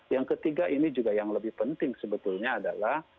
yang ketiga ini juga yang lebih penting sebetulnya adalah